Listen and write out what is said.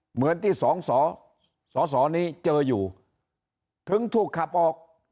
เหมือนที่สองสอสอนี้เจออยู่ถึงถูกขับออก